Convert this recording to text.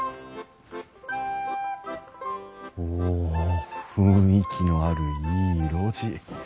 お雰囲気のあるいい路地。